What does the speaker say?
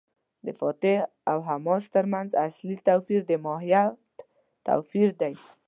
د فتح او حماس تر منځ اصلي توپیر د ماهیت توپیر دی.